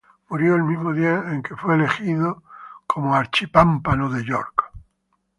Murió el mismo día en el que fue elegido como arzobispo de York.